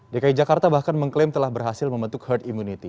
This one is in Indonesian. dki jakarta bahkan mengklaim telah berhasil membentuk herd immunity